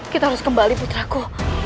kita harus kembali putraku